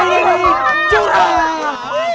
yang main ini curah